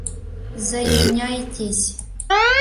Зыеньайтесь...